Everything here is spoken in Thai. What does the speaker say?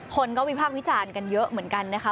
คนก็วิพากษ์วิจารณ์กันเยอะเหมือนกันนะคะ